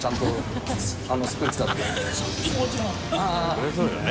それはそうよね。